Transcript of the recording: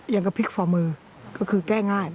อย่างกระพริกฝ่ามือก็คือแก้ง่าย